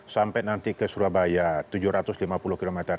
sampai nanti ke surabaya tujuh ratus lima puluh km